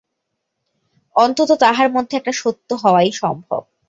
অন্তত তাহার মধ্যে একটা সত্য হওয়াই সম্ভব।